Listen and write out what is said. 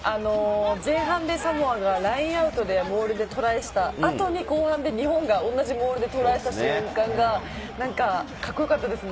前半でサモアがラインアウトでボールをトライした後に、後半で日本が同じボールでトライしたシーンがカッコよかったですね。